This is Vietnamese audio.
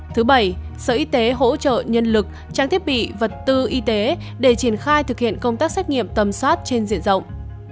thứ bảy sở y tế hỗ trợ nhân lực trang thiết bị vật tư y tế để triển khai thực hiện công tác xét nghiệm tầm soát trên diện rộng